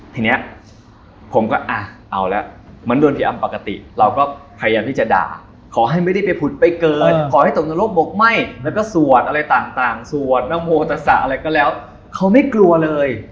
ทีนี้ผมก็อ่ะเอาละเหมือนโดนผีอำปกติเราก็พยายามที่จะด่าขอให้ไม่ได้ไปผุดไปเกิดขอให้ตกนรกบกไหม้แล้วก็สวดอะไรต่างสวดนโมตสะอะไรก็แล้วเขาไม่กลัวเลย